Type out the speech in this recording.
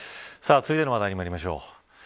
続いての話題にまいりましょう。